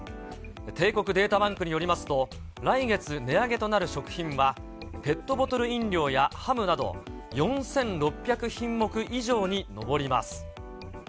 帝国データバンクによりますと、来月、値上げとなる食品はペットボトル飲料やハムなど、４６００品目以上に上ります。